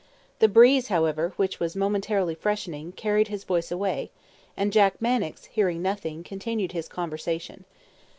The breeze, however, which was momentarily freshening, carried his voice away; and Jack Mannix, hearing nothing, continued his conversation.